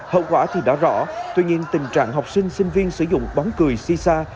hậu quả thì đã rõ tuy nhiên tình trạng học sinh sinh viên sử dụng bóng cười si xa